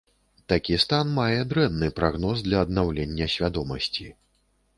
Такі стан мае дрэнны прагноз для аднаўлення свядомасці.